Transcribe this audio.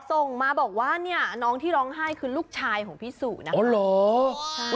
ส่งมาบอกว่าเนี่ยน้องที่ร้องไห้คือลูกชายของพี่สุนะคะ